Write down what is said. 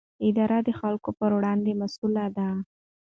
اداره د خلکو پر وړاندې مسووله ده.